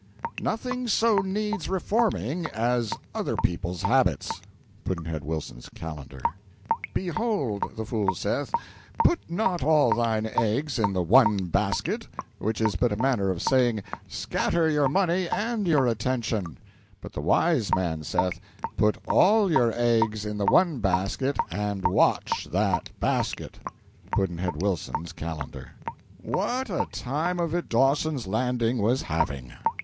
Nothing so needs reforming as other people's habits. Pudd'nhead Wilson's Calendar. Behold, the fool saith, "Put not all thine eggs in the one basket" which is but a manner of saying, "Scatter your money and your attention;" but the wise man saith, "Put all your eggs in the one basket and watch that basket" Pudd'nhead Wilson's Calendar. What a time of it Dawson's Landing was having!